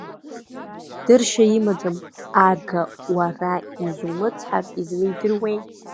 Дыршьа имаӡам, Ага, уара изумыцҳар излаидыруеи?